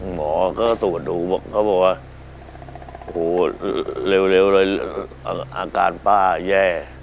หมอก็ตรวจดูเขาบอกว่าโอ้โหเร็วเลยอาการป้าแย่